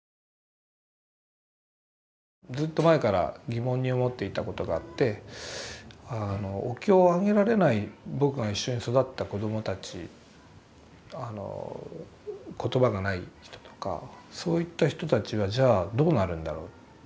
ずっと前から疑問に思っていたことがあってあのお経をあげられない僕が一緒に育った子どもたちあの言葉がない人とかそういった人たちはじゃあどうなるんだろう。